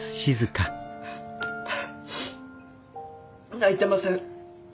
泣いてません。